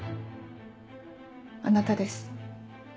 あなたです。